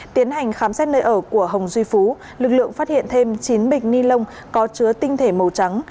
tiến hành khám xét nơi ở của hồng duy phú lực lượng phát hiện thêm chín bịch ni lông có chứa tinh thể màu trắng